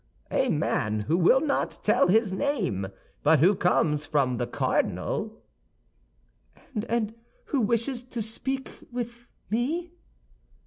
"A man who will not tell his name, but who comes from the cardinal." "And who wishes to speak with me?"